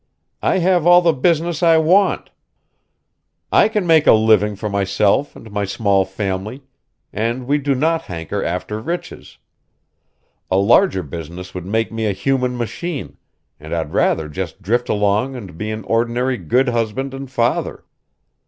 I have all the business I want. I can make a living for myself and my small family, and we do not hanker after riches. A larger business would make me a human machine, and I'd rather just drift along and be an ordinary good husband and father.